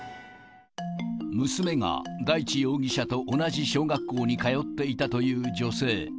娘が大地容疑者と同じ小学校に通っていたという女性。